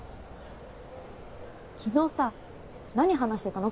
昨日さ何話してたの？